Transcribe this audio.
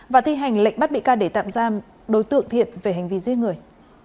và thi hành lệnh bắt bị can để tạm giam đối tượng thiện về hành vi giết người